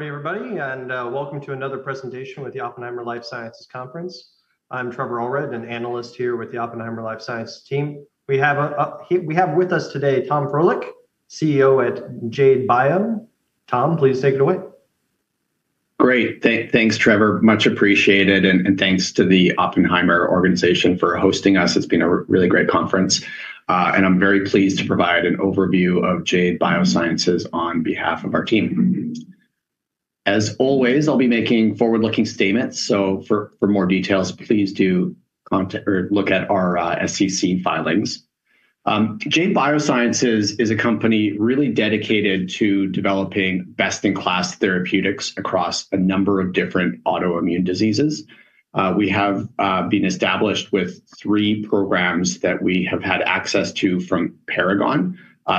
Morning, everybody, welcome to another presentation with the Oppenheimer Life Sciences Conference. I'm Trevor Allred, an analyst here with the Oppenheimer Life Sciences team. We have with us today Tom Frohlich, CEO at Jade Bio. Tom, please take it away. Great. Thanks, Trevor. Much appreciated, and thanks to the Oppenheimer organization for hosting us. It's been a really great conference, and I'm very pleased to provide an overview of Jade Biosciences on behalf of our team. As always, I'll be making forward-looking statements, for more details, please do contact or look at our SEC filings. Jade Biosciences is a company really dedicated to developing best-in-class therapeutics across a number of different autoimmune diseases. We have been established with three programs that we have had access to from Paragon.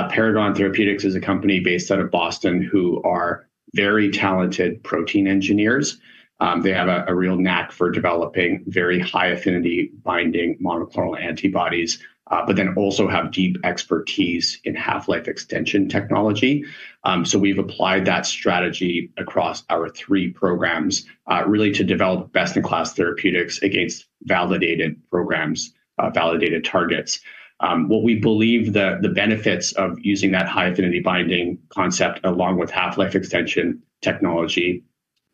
Paragon Therapeutics is a company based out of Boston, who are very talented protein engineers. They have a real knack for developing very high-affinity binding monoclonal antibodies, also have deep expertise in half-life extension technology. We've applied that strategy across our three programs, really to develop best-in-class therapeutics against validated programs, validated targets. What we believe the benefits of using that high-affinity binding concept, along with half-life extension technology,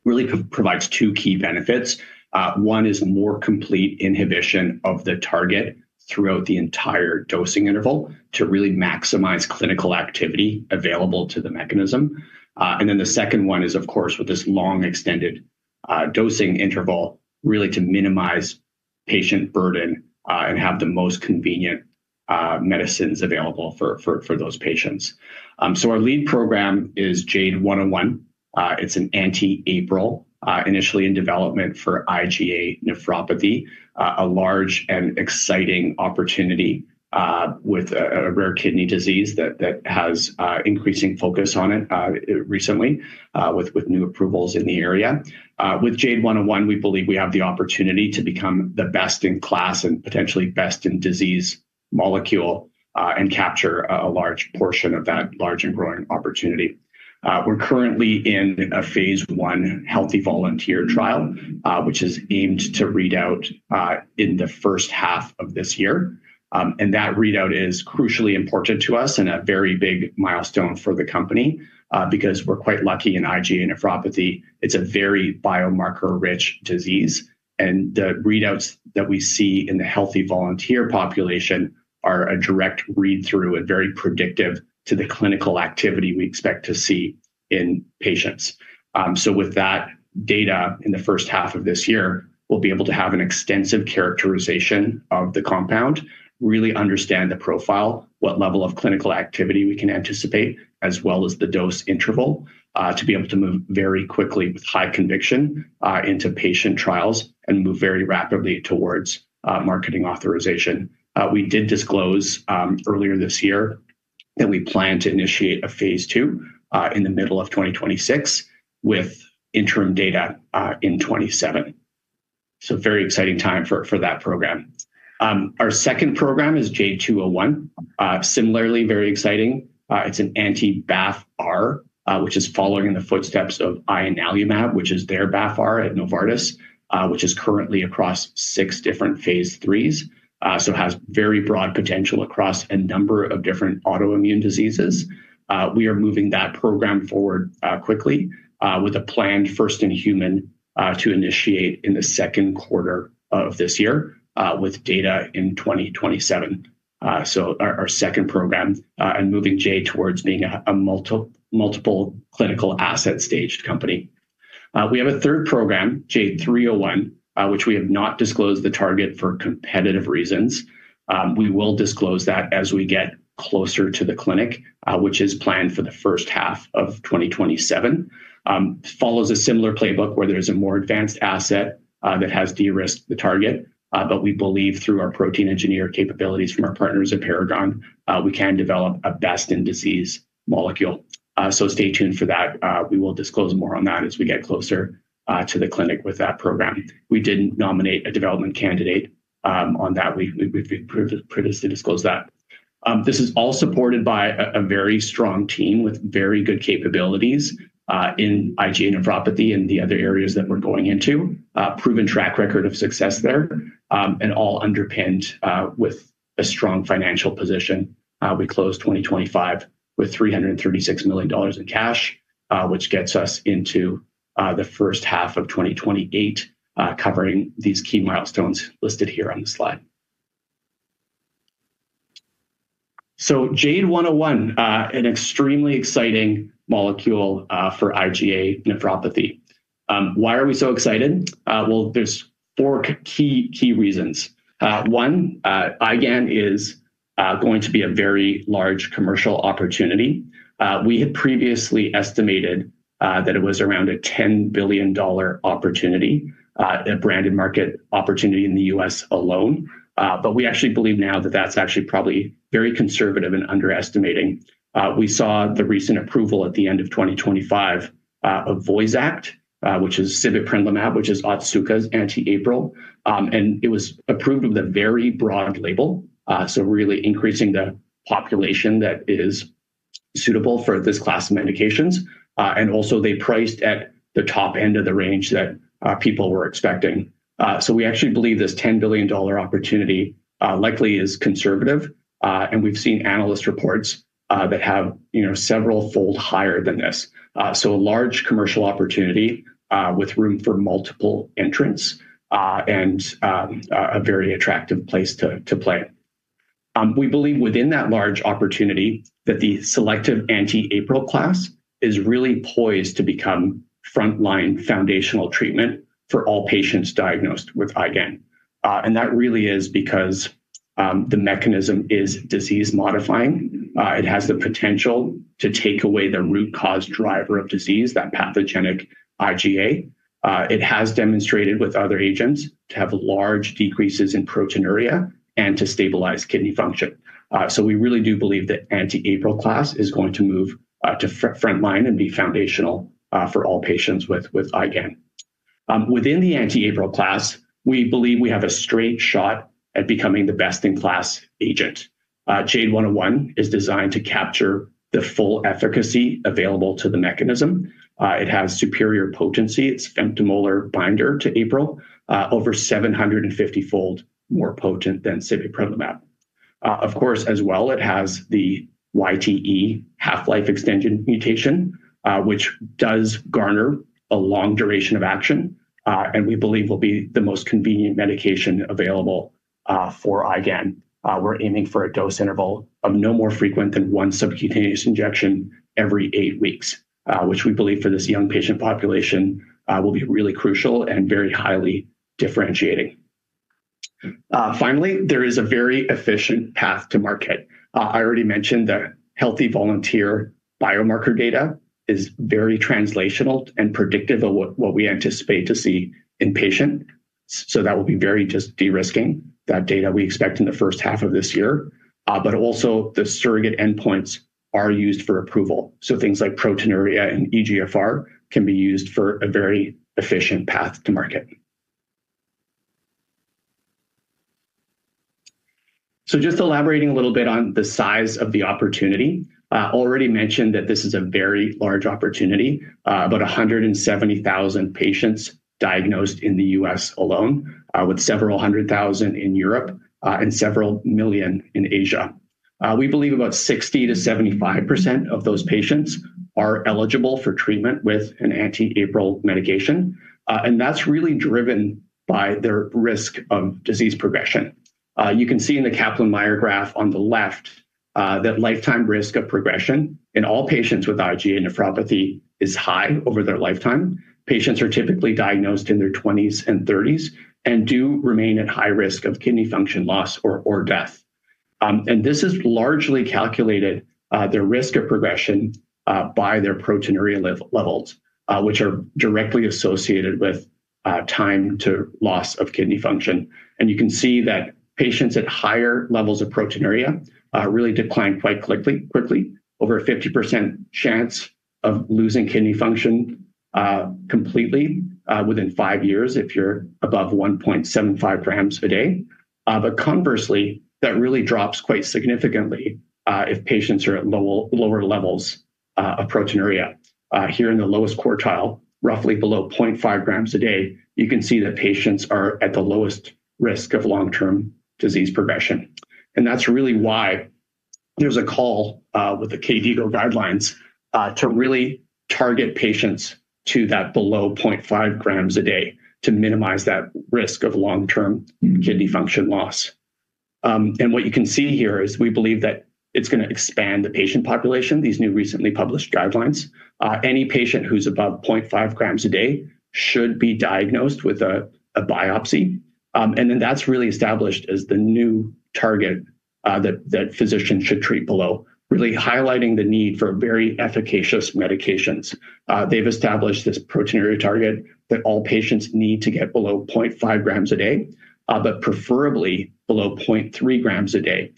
really provides two key benefits. One is more complete inhibition of the target throughout the entire dosing interval to really maximize clinical activity available to the mechanism. The second one is, of course, with this long extended, dosing interval, really to minimize patient burden, and have the most convenient, medicines available for those patients. Our lead program is JADE101. It's an anti-APRIL, initially in development for IgA nephropathy, a large and exciting opportunity, with a rare kidney disease that has increasing focus on it recently, with new approvals in the area. With JADE101, we believe we have the opportunity to become the best-in-class and potentially best-in-disease molecule, and capture a large portion of that large and growing opportunity. We're currently in a phase I healthy volunteer trial, which is aimed to read out in the first half of this year. That readout is crucially important to us and a very big milestone for the company, because we're quite lucky in IgA nephropathy. It's a very biomarker-rich disease. The readouts that we see in the healthy volunteer population are a direct read-through and very predictive to the clinical activity we expect to see in patients. With that data in the first half of this year, we'll be able to have an extensive characterization of the compound, really understand the profile, what level of clinical activity we can anticipate, as well as the dose interval, to be able to move very quickly with high conviction, into patient trials and move very rapidly towards marketing authorization. We did disclose earlier this year that we plan to initiate a phase II in the middle of 2026, with interim data in 2027. Very exciting time for that program. Our second program is JADE201. Similarly, very exciting. It's an anti-BAFF-R, which is following in the footsteps of ianalumab, which is their BAFF-R at Novartis, which is currently across six different phase IIIs, has very broad potential across a number of different autoimmune diseases. We are moving that program forward quickly with a planned first-in-human to initiate in the second quarter of this year with data in 2027. Our second program, and moving Jade Bio towards being a multiple clinical asset staged company. We have a third program, JADE 301, which we have not disclosed the target for competitive reasons. We will disclose that as we get closer to the clinic, which is planned for the first half of 2027. Follows a similar playbook, where there's a more advanced asset that has de-risked the target, but we believe through our protein engineer capabilities from our partners at Paragon, we can develop a best-in-disease molecule. Stay tuned for that. We will disclose more on that as we get closer to the clinic with that program. We didn't nominate a development candidate on that. We've previously disclosed that. This is all supported by a very strong team with very good capabilities in IgA nephropathy and the other areas that we're going into. Proven track record of success there, and all underpinned with a strong financial position. We closed 2025 with $336 million in cash, which gets us into the first half of 2028, covering these key milestones listed here on the slide. JADE101, an extremely exciting molecule, for IgA nephropathy. Why are we so excited? Well, there's four key reasons. One, IgAN is going to be a very large commercial opportunity. We had previously estimated that it was around a $10 billion opportunity, a branded market opportunity in the U.S. alone. We actually believe now that that's actually probably very conservative and underestimating. We saw the recent approval at the end of 2025 of VOYXACT, which is sibeprenlimab, which is Otsuka's anti-APRIL, and it was approved with a very broad label. Really increasing the population suitable for this class of medications, and also they priced at the top end of the range that people were expecting. We actually believe this $10 billion opportunity likely is conservative, and we've seen analyst reports that have, you know, severalfold higher than this. A large commercial opportunity with room for multiple entrants, and a very attractive place to play. We believe within that large opportunity, that the selective anti-APRIL class is really poised to become frontline foundational treatment for all patients diagnosed with IgAN. That really is because the mechanism is disease-modifying. It has the potential to take away the root cause driver of disease, that pathogenic IgA. It has demonstrated with other agents to have large decreases in proteinuria and to stabilize kidney function. We really do believe that anti-APRIL class is going to move to frontline and be foundational for all patients with IgAN. Within the anti-APRIL class, we believe we have a straight shot at becoming the best-in-class agent. JADE101 is designed to capture the full efficacy available to the mechanism. It has superior potency. It's femtomolar binder to APRIL, over 750-fold more potent than sibeprenlimab. Of course, as well, it has the YTE half-life extension mutation, which does garner a long duration of action, and we believe will be the most convenient medication available for IgAN. We're aiming for a dose interval of no more frequent than one subcutaneous injection every eight weeks, which we believe for this young patient population will be really crucial and very highly differentiating. Finally, there is a very efficient path to market. I already mentioned the healthy volunteer biomarker data is very translational and predictive of what we anticipate to see in patient. That will be very just de-risking. That data we expect in the first half of this year, also the surrogate endpoints are used for approval. Things like proteinuria and eGFR can be used for a very efficient path to market. Just elaborating a little bit on the size of the opportunity. I already mentioned that this is a very large opportunity, about 170,000 patients diagnosed in the U.S. alone, with several hundred thousand in Europe, and several million in Asia. We believe about 60%-75% of those patients are eligible for treatment with an anti-APRIL medication, and that's really driven by their risk of disease progression. You can see in the Kaplan-Meier graph on the left, that lifetime risk of progression in all patients with IgA nephropathy is high over their lifetime. Patients are typically diagnosed in their 20s and 30s and do remain at high risk of kidney function loss or death. This is largely calculated, their risk of progression, by their proteinuria levels, which are directly associated with time to loss of kidney function. You can see that patients at higher levels of proteinuria, really decline quite quickly, over a 50% chance of losing kidney function, completely, within five years if you're above 1.75 grams per day. Conversely, that really drops quite significantly, if patients are at lower levels of proteinuria. Here in the lowest quartile, roughly below 0.5 grams a day, you can see that patients are at the lowest risk of long-term disease progression. That's really why there's a call, with the KDIGO guidelines, to really target patients to that below 0.5 grams a day to minimize that risk of long-term kidney function loss. What you can see here is we believe that it's gonna expand the patient population, these new recently published guidelines. Any patient who's above 0.5 grams a day should be diagnosed with a biopsy. That's really established as the new target that physicians should treat below, really highlighting the need for very efficacious medications. They've established this proteinuria target that all patients need to get below 0.5 grams a day, but preferably below 0.3 grams a day,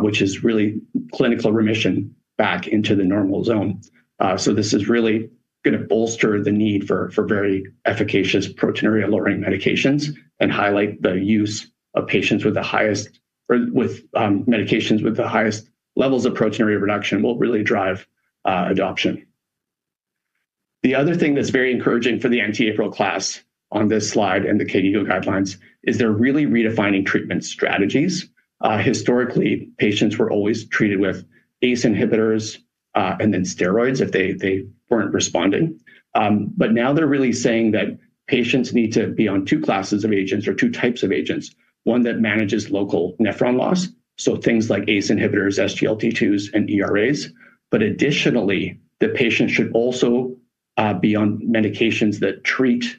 which is really clinical remission back into the normal zone. This is really gonna bolster the need for very efficacious proteinuria-lowering medications and highlight the use of patients with the highest or with medications with the highest levels of proteinuria reduction will really drive adoption. The other thing that's very encouraging for the anti-APRIL class on this slide and the KDIGO guidelines, is they're really redefining treatment strategies. Historically, patients were always treated with ACE inhibitors, and then steroids if they weren't responding. Now they're really saying that patients need to be on two classes of agents or two types of agents, one that manages local nephron loss, so things like ACE inhibitors, SGLT2s, and ERAs. Additionally, the patient should also be on medications that treat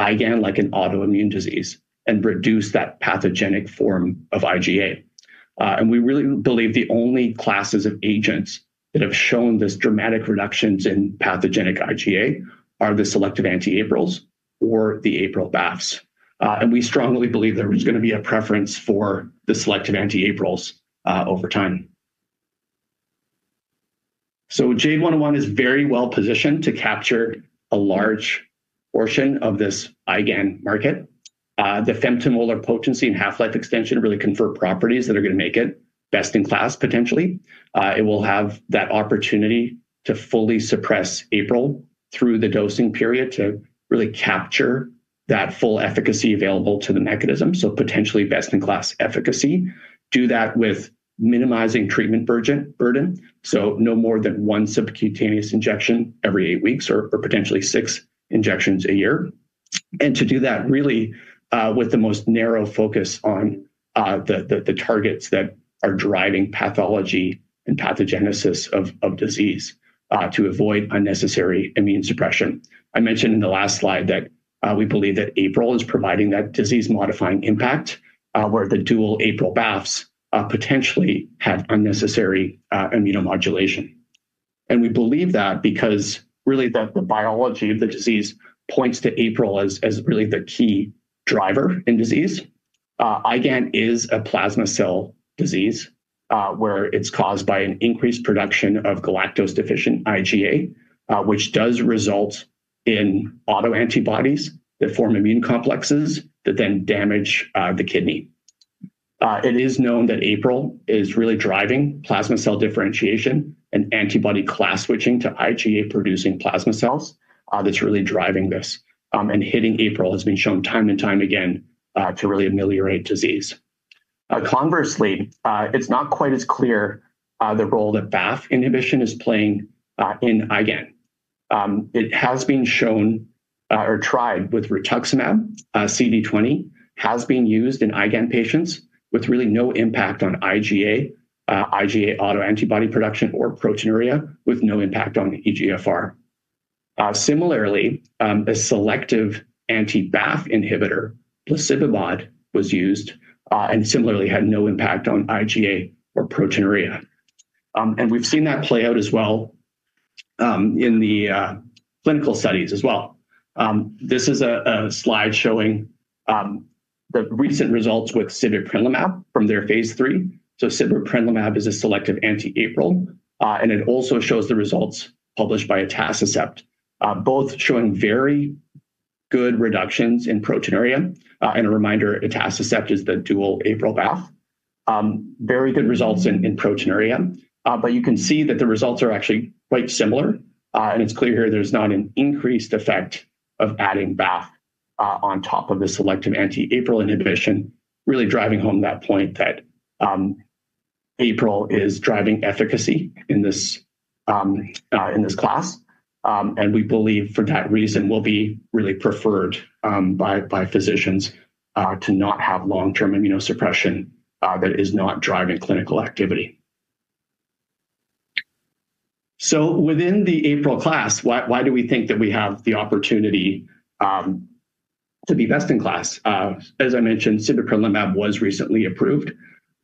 IgAN like an autoimmune disease and reduce that pathogenic form of IgA. We really believe the only classes of agents that have shown this dramatic reductions in pathogenic IgA are the selective anti-APRILs or the APRIL-BAFFs. We strongly believe there is gonna be a preference for the selective anti-APRILs over time. JADE101 is very well positioned to capture a large portion of this IgAN market. The femtomolar potency and half-life extension really confer properties that are going to make it best in class, potentially. It will have that opportunity to fully suppress APRIL through the dosing period to really capture that full efficacy available to the mechanism, so potentially best-in-class efficacy. Do that with minimizing treatment burden, so no more than one subcutaneous injection every eight weeks or, potentially six injections a year. To do that really, with the most narrow focus on the targets that are driving pathology and pathogenesis of disease, to avoid unnecessary immune suppression. I mentioned in the last slide that we believe that APRIL is providing that disease-modifying impact, where the dual APRIL/BAFFs potentially have unnecessary immunomodulation. We believe that because really, the biology of the disease points to APRIL as really the key driver in disease. IgAN is a plasma cell disease, where it's caused by an increased production of galactose-deficient IgA, which does result in autoantibodies that form immune complexes that then damage the kidney. It is known that APRIL is really driving plasma cell differentiation and antibody class switching to IgA-producing plasma cells, that's really driving this. Hitting APRIL has been shown time and time again, to really ameliorate disease. Conversely, it's not quite as clear, the role that BAFF inhibition is playing in IgAN. It has been shown, or tried with rituximab. CD20 has been used in IgAN patients with really no impact on IgA autoantibody production or proteinuria, with no impact on eGFR. Similarly, a selective anti-BAFF inhibitor, tocilizumab, was used, similarly had no impact on IgA or proteinuria. We've seen that play out as well, in the clinical studies as well. This is a slide showing the recent results with sibeprenlimab from their phase III. Sibeprenlimab is a selective anti-APRIL, it also shows the results published by atacicept, both showing very good reductions in proteinuria. A reminder, atacicept is the dual APRIL/BAFF. Very good results in proteinuria, you can see that the results are actually quite similar. It's clear here there's not an increased effect of adding BAFF on top of the selective anti-APRIL inhibition, really driving home that point that APRIL is driving efficacy in this in this class. We believe for that reason will be really preferred by physicians to not have long-term immunosuppression that is not driving clinical activity. Within the APRIL class, why do we think that we have the opportunity to be best in class? As I mentioned, sibeprenlimab was recently approved,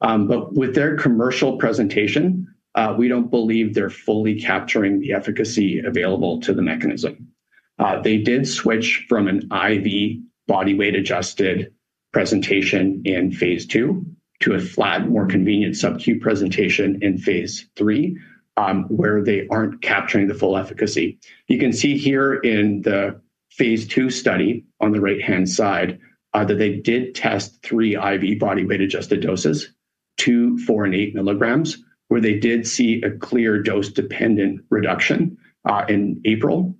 with their commercial presentation, we don't believe they're fully capturing the efficacy available to the mechanism. They did switch from an IV body weight-adjusted presentation in phase II to a flat, more convenient sub-Q presentation in phase III, where they aren't capturing the full efficacy. You can see here in the phase II study on the right-hand side, that they did test 3 IV body weight-adjusted doses, 2 mg, 4 mg, and 8 mg, where they did see a clear dose-dependent reduction in APRIL,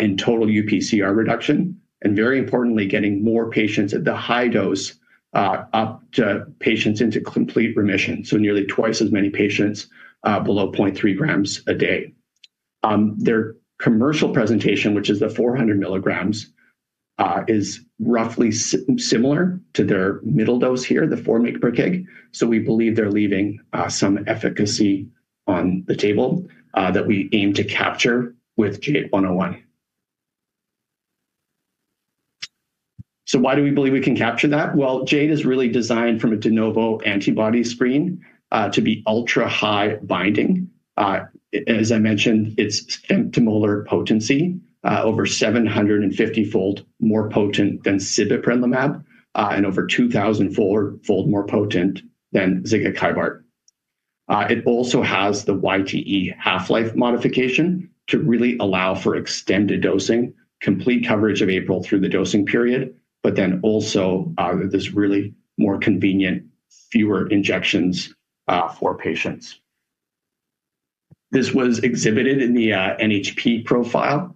in total UPCR reduction, and very importantly, getting more patients at the high dose, up to patients into complete remission, so nearly twice as many patients below 0.3 grams a day. Their commercial presentation, which is the 400 mgs, is roughly similar to their middle dose here, the 4 mg/kg, so we believe they're leaving some efficacy on the table that we aim to capture with JADE101. Why do we believe we can capture that? Well, Jade is really designed from a de novo antibody screen to be ultra-high binding. As I mentioned, it's femtomolar potency, over 750 fold more potent than sibeprenlimab, and over 2,000 fold more potent than zigakibart. It also has the YTE half-life modification to really allow for extended dosing, complete coverage of APRIL through the dosing period, but then also, this really more convenient, fewer injections, for patients. This was exhibited in the NHP profile.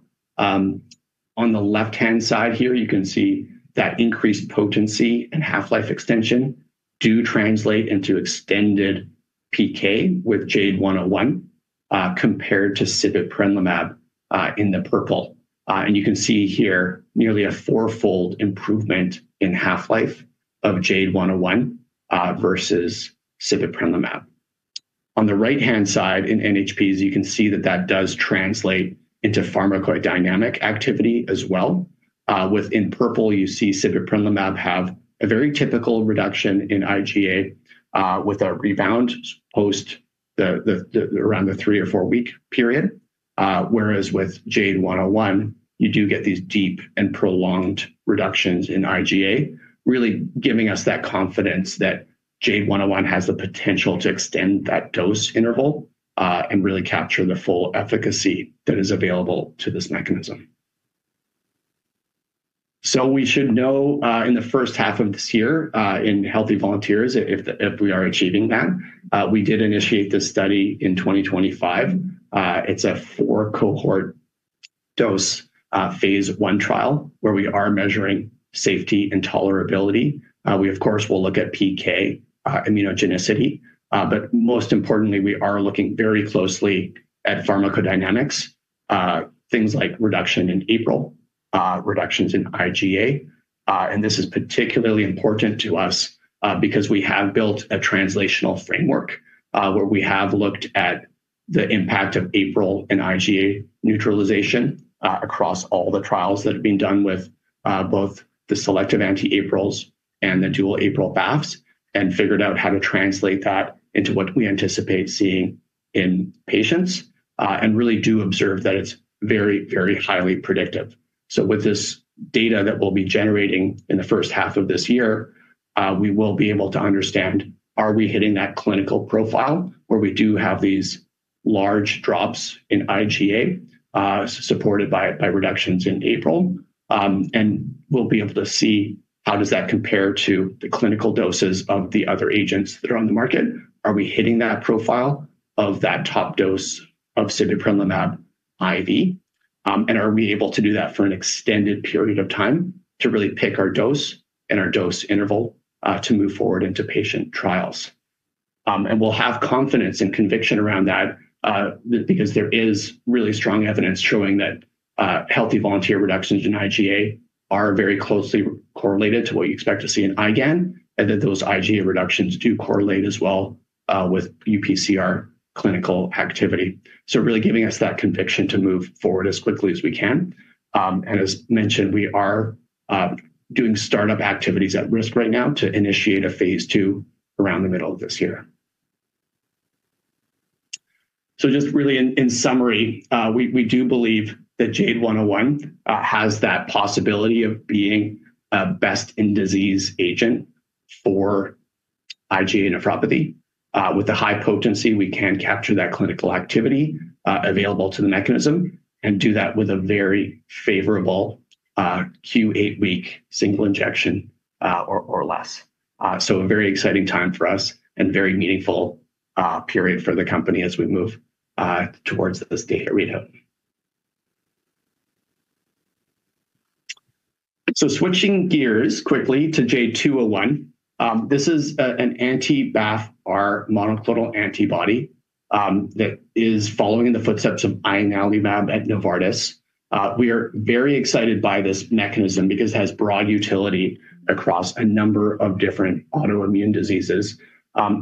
On the left-hand side here, you can see that increased potency and half-life extension do translate into extended PK with JADE101, compared to sibeprenlimab, in the purple. You can see here nearly a four-fold improvement in half-life of JADE101, versus sibeprenlimab. On the right-hand side in NHPs, you can see that that does translate into pharmacodynamic activity as well. within purple, you see sibeprenlimab have a very typical reduction in IgA, with a rebound post the around the three or four-week period. whereas with JADE101, you do get these deep and prolonged reductions in IgA, really giving us that confidence that JADE101 has the potential to extend that dose interval, and really capture the full efficacy that is available to this mechanism. we should know, in the first half of this year, in healthy volunteers, if we are achieving that. we did initiate this study in 2025. it's a four-cohort dose, phase I trial, where we are measuring safety and tolerability. We, of course, will look at PK, immunogenicity, but most importantly, we are looking very closely at pharmacodynamics, things like reduction in APRIL, reductions in IgA. This is particularly important to us, because we have built a translational framework, where we have looked at the impact of APRIL and IgA neutralization, across all the trials that have been done with both the selective anti-APRILs and the dual APRIL BAFFs, and figured out how to translate that into what we anticipate seeing in patients, and really do observe that it's very, very highly predictive. With this data that we'll be generating in the first half of this year, we will be able to understand, are we hitting that clinical profile where we do have these large drops in IgA, supported by reductions in APRIL? We'll be able to see how does that compare to the clinical doses of the other agents that are on the market. Are we hitting that profile of that top dose of sibeprenlimab IV? Are we able to do that for an extended period of time to really pick our dose and our dose interval to move forward into patient trials? We'll have confidence and conviction around that because there is really strong evidence showing that healthy volunteer reductions in IgA are very closely correlated to what you expect to see in IgAN, and that those IgA reductions do correlate as well with UPCR clinical activity. Really giving us that conviction to move forward as quickly as we can. As mentioned, we are doing start-up activities at risk right now to initiate a phase II around the middle of this year. Just really in summary, we do believe that JADE101 has that possibility of being a best-in-disease agent for IgA nephropathy. With the high potency, we can capture that clinical activity available to the mechanism and do that with a very favorable Q8W single injection or less. A very exciting time for us and very meaningful period for the company as we move towards this data readout. Switching gears quickly to JADE201. This is an anti-BAFF-R monoclonal antibody that is following in the footsteps of ianalumab at Novartis. We are very excited by this mechanism because it has broad utility across a number of different autoimmune diseases.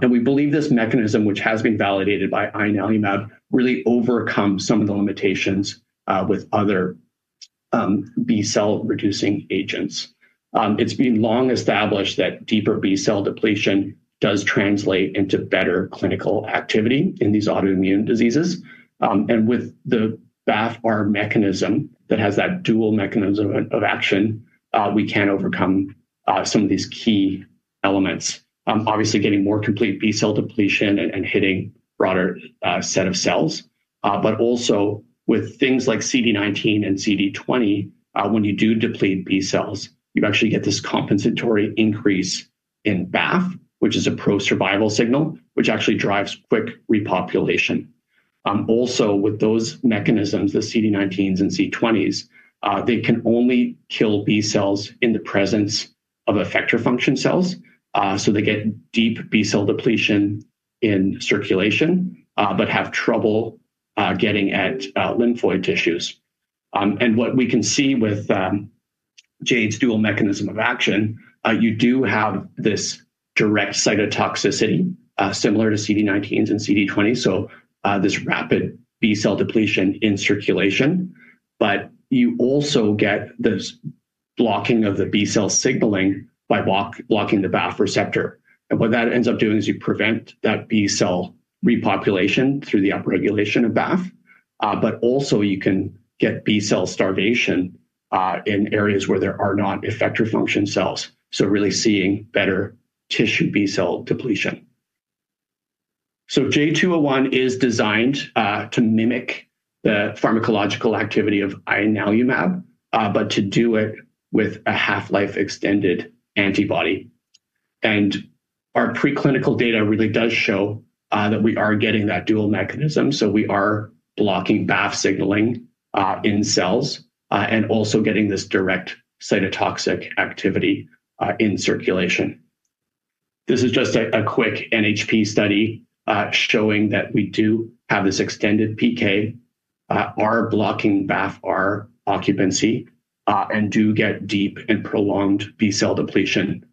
We believe this mechanism, which has been validated by ianalumab, really overcomes some of the limitations with other B-cell-reducing agents. It's been long established that deeper B-cell depletion does translate into better clinical activity in these autoimmune diseases. With the BAFF-R mechanism that has that dual mechanism of action, we can overcome some of these key elements. Obviously getting more complete B-cell depletion and hitting broader set of cells, but also with things like CD19 and CD20, when you do deplete B cells, you actually get this compensatory increase in BAFF, which is a pro-survival signal, which actually drives quick repopulation. Also, with those mechanisms, the CD19s and CD20s, they can only kill B-cells in the presence of effector function cells, so they get deep B-cell depletion in circulation, but have trouble getting at lymphoid tissues. What we can see with Jade's dual mechanism of action, you do have this direct cytotoxicity, similar to CD19s and CD20, so this rapid B-cell depletion in circulation. You also get this blocking of the B-cell signaling by blocking the BAFF-R. What that ends up doing is you prevent that B-cell repopulation through the upregulation of BAFF, but also you can get B-cell starvation in areas where there are non-effector function cells. Really seeing better tissue B-cell depletion. JADE201 is designed to mimic the pharmacological activity of ianalumab, but to do it with a half-life extended antibody. Our preclinical data really does show that we are getting that dual mechanism, so we are blocking BAFF signaling in cells and also getting this direct cytotoxic activity in circulation. This is just a quick NHP study showing that we do have this extended PK, are blocking BAFF, our occupancy, and do get deep and prolonged B-cell depletion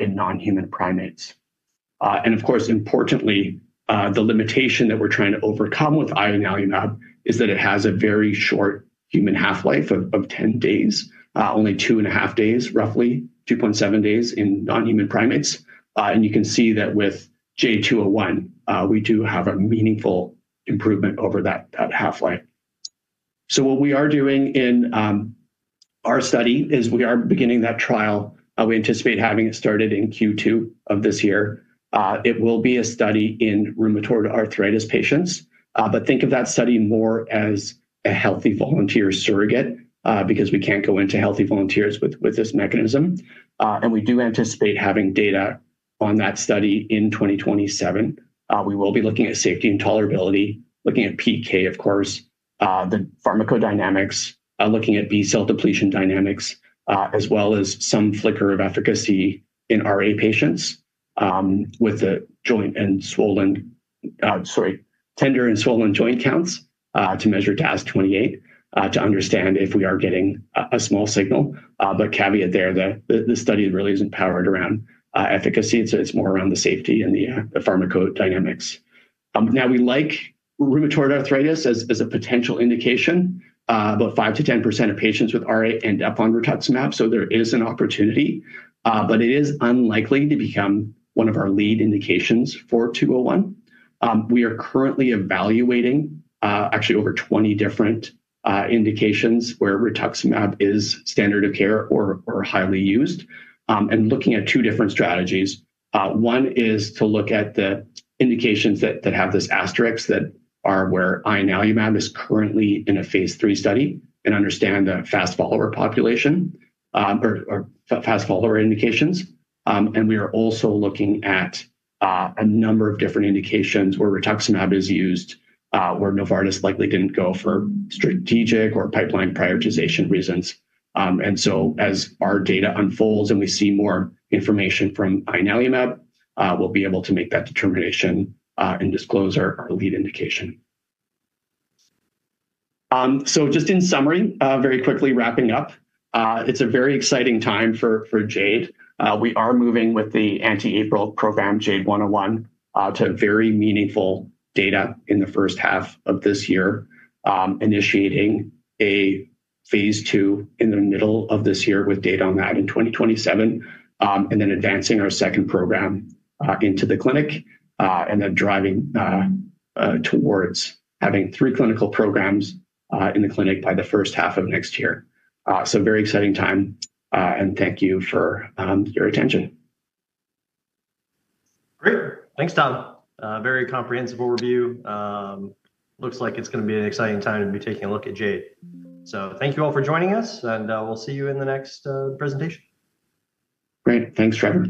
in non-human primates. And of course, importantly, the limitation that we're trying to overcome with ianalumab is that it has a very short human half-life of 10 days, only 2.5 days, roughly 2.7 days in non-human primates. You can see that with JADE201, we do have a meaningful improvement over that half-life. What we are doing in our study is we are beginning that trial, we anticipate having it started in Q2 of this year. It will be a study in rheumatoid arthritis patients, but think of that study more as a healthy volunteer surrogate, because we can't go into healthy volunteers with this mechanism. We do anticipate having data on that study in 2027. We will be looking at safety and tolerability, looking at PK, of course, the pharmacodynamics, looking at B-cell depletion dynamics, as well as some flicker of efficacy in RA patients, with the joint and swollen, sorry, tender and swollen joint counts, to measure DAS28, to understand if we are getting a small signal. Caveat there, the study really isn't powered around efficacy. It's more around the safety and the pharmacodynamics. Now, we like rheumatoid arthritis as a potential indication. About 5%-10% of patients with RA end up on rituximab, so there is an opportunity, but it is unlikely to become one of our lead indications for 201. We are currently evaluating, actually, over 20 different indications where rituximab is standard of care or highly used, and looking at two different strategies. One is to look at the indications that have this asterisk, that are where ianalumab is currently in a phase III study and understand the fast follower population, or fast follower indications. We are also looking at a number of different indications where rituximab is used, where Novartis likely didn't go for strategic or pipeline prioritization reasons. As our data unfolds and we see more information from ianalumab, we'll be able to make that determination and disclose our lead indication. Just in summary, very quickly wrapping up, it's a very exciting time for Jade. We are moving with the anti-APRIL program, JADE101, to very meaningful data in the first half of this year, initiating a Phase II in the middle of this year with data on that in 2027, and then advancing our second program into the clinic, and then driving towards having three clinical programs in the clinic by the first half of next year. Very exciting time, and thank you for your attention. Great. Thanks, Tom. Very comprehensive overview. Looks like it's gonna be an exciting time to be taking a look at Jade. Thank you all for joining us, and, we'll see you in the next presentation. Great. Thanks, Trevor.